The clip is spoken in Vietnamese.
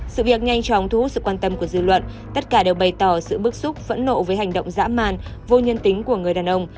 sự việc nhanh chóng thu hút sự quan tâm của dư luận tất cả đều bày tỏ sự bức xúc phẫn nộ với hành động dã man vô nhân tính của người đàn ông